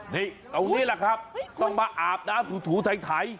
นี่ตรงนี้แหละครับต้องมาอาบน้ำถูไถ